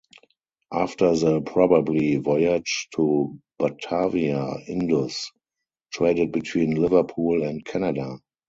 After the probably voyage to Batavia "Indus" traded between Liverpool and Canada.